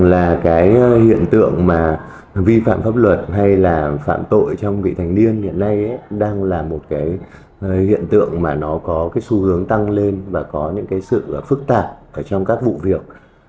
tôi cho rằng hiện tượng vi phạm pháp luật hay phạm tội trong vị thành niên hiện nay đang là một hiện tượng có xu hướng tăng lên và có sự phức tạp trong các vụ việc